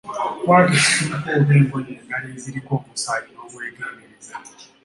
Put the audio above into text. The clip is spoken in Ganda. Kwata essuuka oba engoye endala eziriko omusaayi n’obwegendereza.